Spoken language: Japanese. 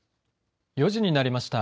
４時になりました。